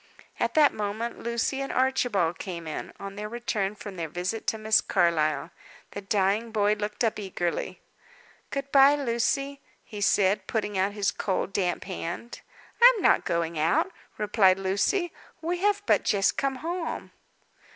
At that moment Lucy and Archibald came in, on their return from their visit to Miss Carlyle. The dying boy looked up eagerly. "Good bye, Lucy," he said, putting out his cold, damp hand. "I am not going out," replied Lucy. "We have but just come home."